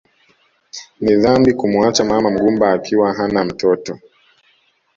Ni dhambi kumuacha mama mgumba akiwa hana mtoto